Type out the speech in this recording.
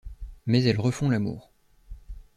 Mais elles refont l'amour.